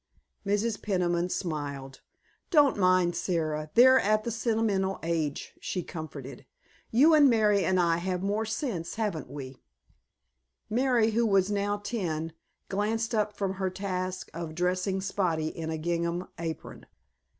Mrs. Peniman smiled. "Don't mind, Sara, they're at the sentimental age," she comforted. "You and Mary and I have more sense, haven't we?" Mary, who was now ten, glanced up from her task of dressing Spotty in a gingham apron.